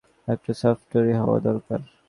ছবি তোলার আগে মনে হয় তোমার একটু সাফসুতরো হওয়া দরকার।